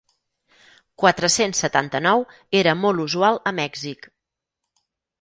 Quatre-cents setanta-nou era molt usual a Mèxic.